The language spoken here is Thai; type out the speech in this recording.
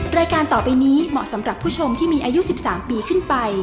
รายการต่อไปนี้เหมาะสำหรับผู้ชมที่มีอายุ๑๓ปีขึ้นไป